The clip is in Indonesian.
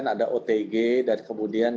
ada otg dan kemudian